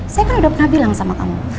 saya kan udah pernah bilang sama kamu